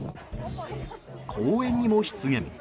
公園にも出現。